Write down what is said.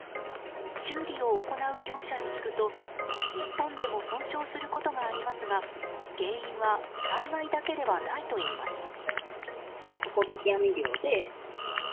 修理を行う業者に聞くと日本でも損傷することがありますが原因は災害だけではないといいます。